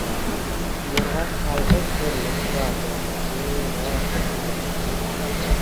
murg‘ak qalbi... ko‘rinib turardi. E voh, aziz o‘quvchi!